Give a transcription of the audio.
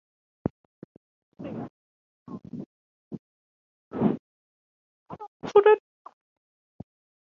Their small army and weak military equipment was not up to the task.